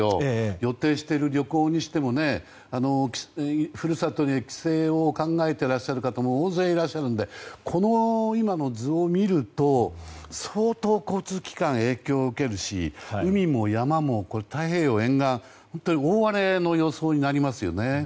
予定している旅行にしても故郷に帰省を考えてらっしゃる方も大勢いらっしゃるのでこの今の図を見ると相当、交通機関は影響を受けるし海も山も太平洋沿岸本当に大荒れの予想になりますよね。